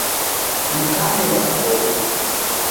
Mkabe makofi.